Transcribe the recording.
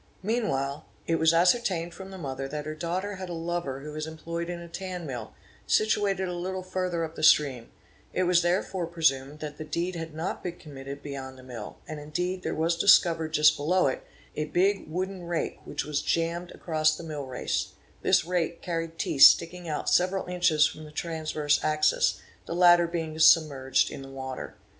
Meanwhile, it was ascertained from the mother that her daughter had a lover who was employed in a tan mill, situated a little further up the stream; it was therefore presumed that the deed had not been committed beyond the mill; and indeed there was discovered just below it, a big wooden rake which was jammed across the mill race; this rake carried teeth sticking out several inches from the transverse axis, the latter being submerged in the water.